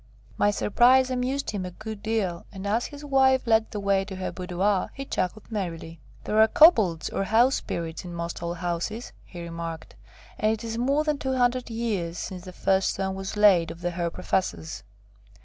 My surprise amused him a good deal, and as his wife led the way to her boudoir he chuckled merrily. "There are Kobolds, or House Spirits in most old houses," he remarked, "and it is more than two hundred years since the first stone was laid of the Herr Professor's.